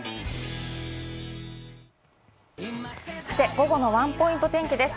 午後のワンポイント天気です。